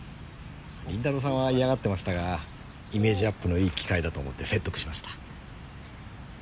倫太郎さんは嫌がってましたがイメージアップのいい機会だと思って説得しました。